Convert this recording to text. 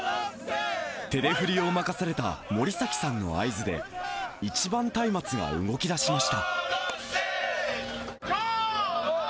手々振を任された森崎さんの合図で、一番松明が動きだしました。